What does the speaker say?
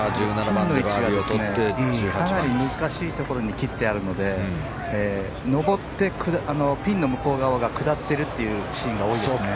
ピンの位置がかなり難しいところに切ってあるので上って、ピンの向こう側が下ってるというシーンが多いですね。